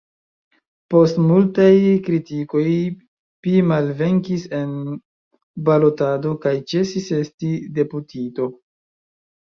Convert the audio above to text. Post multaj kritikoj pi malvenkis en balotado kaj ĉesis esti deputito.